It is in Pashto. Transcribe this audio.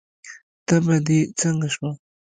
تبه دې څنګه شوه؟